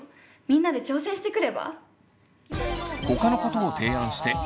みんなで挑戦してくれば？